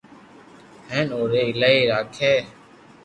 ھين اوري ايلائي راکي